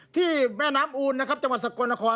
ที่แม่น้ำอูนนะครับจังหวัดสกลนคร